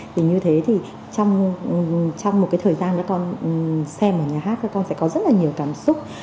thì như thế thì trong một cái thời gian các con xem ở nhà hát các con sẽ có rất là nhiều cảm xúc